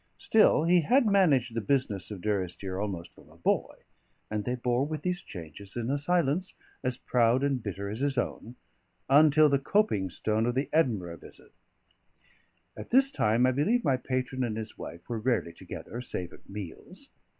Still, he had managed the business of Durrisdeer almost from a boy; and they bore with these changes in a silence as proud and bitter as his own, until the coping stone of the Edinburgh visit. At this time I believe my patron and his wife were rarely together, save at meals.